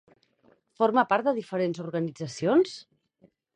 Forma part de diferents organitzacions?